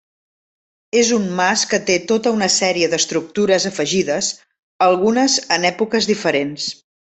És un mas que té tota una sèrie d'estructures afegides, algunes en èpoques diferents.